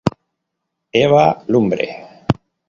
Eva Lumbre.